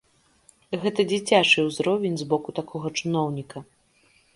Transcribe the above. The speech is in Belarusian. Гэта дзіцячы ўзровень з боку такога чыноўніка.